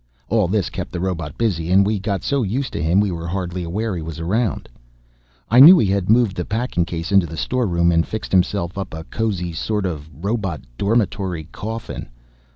All this kept the robot busy, and we got so used to him we were hardly aware he was around. I knew he had moved the packing case into the storeroom and fixed himself up a cozy sort of robot dormitory coffin.